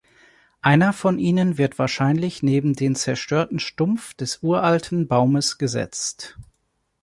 Einer von ihnen wird wahrscheinlich neben den zerstörten Stumpf des uralten Baumes gesetzt.